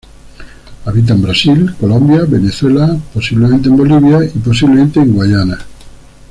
Habita en Brasil, Colombia, Venezuela, posiblemente en Bolivia y posiblemente en Guayana.